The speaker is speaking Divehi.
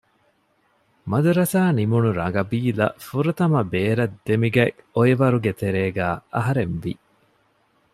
މަދުރަސާ ނިމުނު ރަނގަބީލަށް ފުރަތަމަ ބޭރަށް ދެމިގަތް އޮއިވަރުގެ ތެރޭގައި އަހަރެން ވި